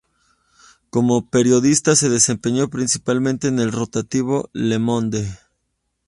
Como periodista se desempeñó principalmente en el rotativo "Le Monde".